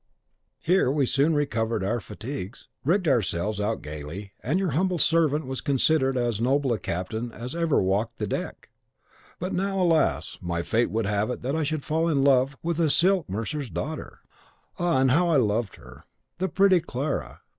Here we soon recovered our fatigues, rigged ourselves out gayly, and your humble servant was considered as noble a captain as ever walked deck. But now, alas! my fate would have it that I should fall in love with a silk mercer's daughter. Ah, how I loved her! the pretty Clara!